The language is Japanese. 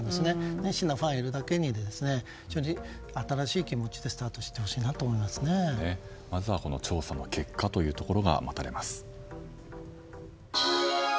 熱心なファンがいるだけに新しい気持ちでスタートをまずは調査の結果というところが待たれます。